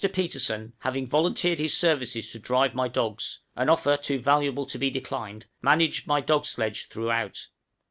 Petersen having volunteered his services to drive my dogs, an offer too valuable to be declined managed my dog sledge throughout.